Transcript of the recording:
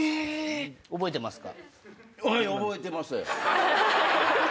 覚えてますか？